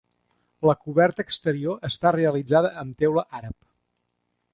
La coberta exterior està realitzada amb teula àrab.